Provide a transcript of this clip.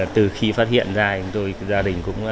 từ khi phát hiện ra thì gia đình cũng không biết